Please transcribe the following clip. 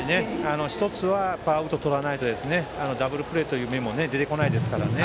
１つはアウトをとらないとダブルプレーという目も出てこないですからね。